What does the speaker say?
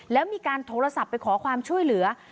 แล้วมีการโทรศัพท์ไปขอความช่วยเหลือ